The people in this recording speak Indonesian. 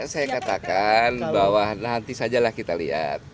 saya katakan bahwa nanti sajalah kita lihat